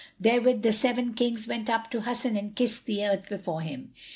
Therewith the Seven Kings went up to Hasan and kissed the earth before him.